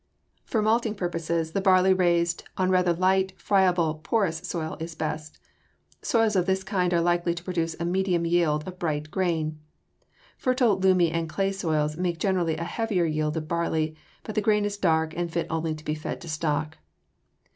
For malting purposes the barley raised on rather light, friable, porous soil is best. Soils of this kind are likely to produce a medium yield of bright grain. Fertile loamy and clay soils make generally a heavier yield of barley, but the grain is dark and fit only to be fed to stock.